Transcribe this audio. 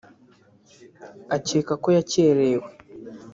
akeka ko yakerewe